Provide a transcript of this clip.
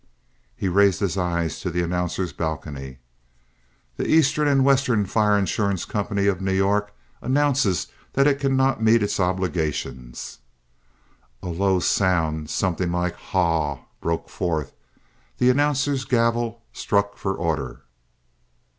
He raised his eyes to the announcer's balcony. "The Eastern and Western Fire Insurance Company of New York announces that it cannot meet its obligations." A low sound something like "Haw!" broke forth. The announcer's gavel struck for order.